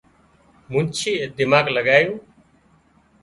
منڇيئي دماڳ لڳايون